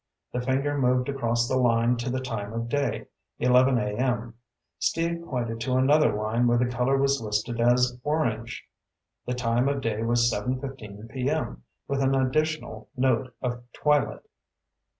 The finger moved across the line to the time of day, eleven A.M. Steve pointed to another line where the color was listed as "orange." The time of day was seven fifteen P.M., with an additional note of "twilight."